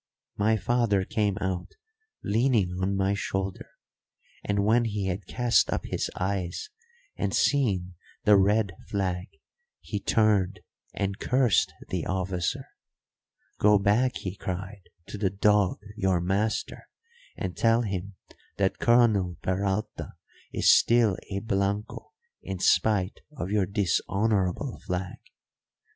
My father came out leaning on my shoulder, and when he had cast up his eyes and seen the red flag he turned and cursed the officer. 'Go back,' he cried, 'to the dog, your master, and tell him that Colonel Peralta is still a Blanco in spite of your dishonourable flag.